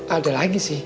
ada lagi sih